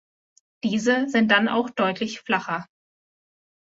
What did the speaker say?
Diese sind dann auch deutlich flacher.